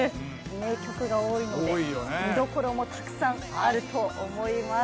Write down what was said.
名曲が多いので見どころもたくさんあると思います。